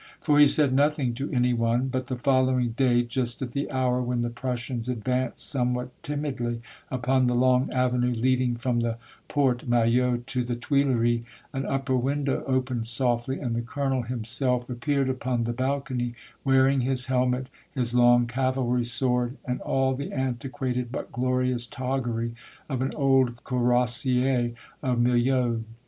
For he said nothing to any one, but the following day, just at the hour when the Prussians advanced somewhat timidly upon the long avenue leading from the Porte Maillot to the Tuileries, an upper window opened softly, and the colonel himself appeared upon the balcony, wearing his helmet, his long cavalry sword, and all the antiquated but glorious toggery of an old cuirassier of Milhaud.